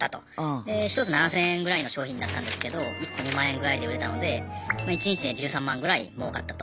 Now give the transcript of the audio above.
で１つ７，０００円ぐらいの商品だったんですけど１個２万円ぐらいで売れたので１日で１３万ぐらいもうかったと。